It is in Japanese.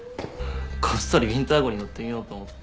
こっそりウィンター号に乗ってみようと思って。